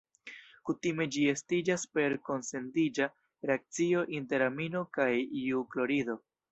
Kutime ĝi estiĝas per kondensiĝa reakcio inter amino kaj iu klorido.